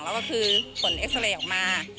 แล้วก็คือผลเอ็กซาเรย์ออกมา